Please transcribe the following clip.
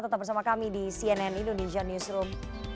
tetap bersama kami di cnn indonesia newsroom